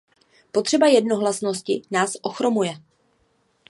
Potřeba jednohlasnosti nás ochromuje.